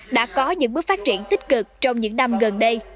đã có những bước phát triển tích cực trong những năm gần đây